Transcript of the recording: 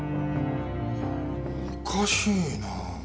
おかしいな。